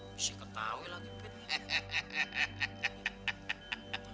masih ketawa lagi pei